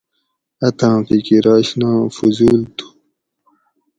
اتھاں فکر آشنا فضول تھو